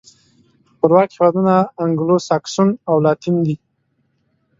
خپلواک هېوادونه انګلو ساکسوسن او لاتین دي.